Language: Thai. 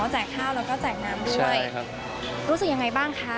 แจกข้าวแล้วก็แจกน้ำด้วยใช่ครับรู้สึกยังไงบ้างคะ